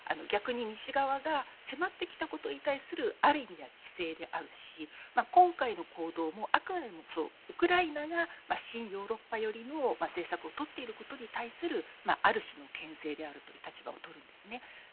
逆に、西側が迫ってきたことに対するある意味では自制であるし今回の行動もあくまでウクライナが親ヨーロッパ寄りの政策をとっていることに対するある種の牽制であるという立場をとるんですね。